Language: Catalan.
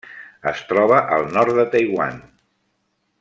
Es troba al nord de Taiwan.